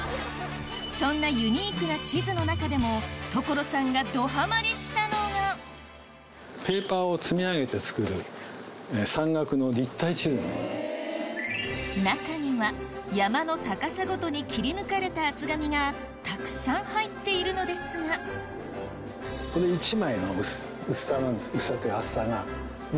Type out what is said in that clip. そんなユニークな地図の中でも中には山の高さごとに切り抜かれた厚紙がたくさん入っているのですがそれを。